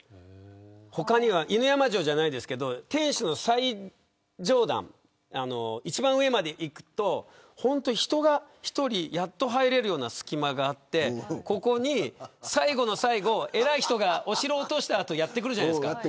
他には犬山城じゃないですけど天守の最上段一番上まで行くと人が１人やっと入れるような隙間があってここに最後の最後、偉い人がお城を落とした後やってくるじゃないですか。